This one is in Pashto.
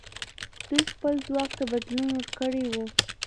دوی خپل ځواک ته بدلون ورکړی وو.